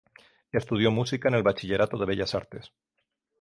Estudió música en el Bachillerato de Bellas Artes.